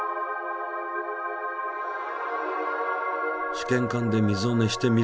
試験管で水を熱してみるんだね。